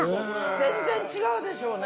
全然違うでしょうね。